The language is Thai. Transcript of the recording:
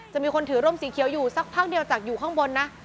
จะมีคนถือร่มสีเขียวอยู่สักพักเดียวจากอยู่ข้างบนนะ